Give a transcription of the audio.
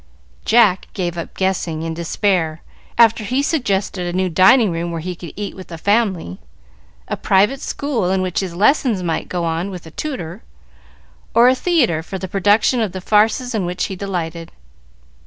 Jack gave up guessing, in despair, after he had suggested a new dining room where he could eat with the family, a private school in which his lessons might go on with a tutor, or a theatre for the production of the farces in which he delighted.